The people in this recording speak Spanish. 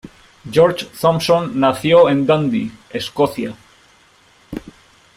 George Thomson nació en Dundee, Escocia.